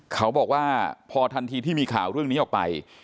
เขาบอกว่าพอทันทีที่มีข่าวเรื่องนี้ออกไป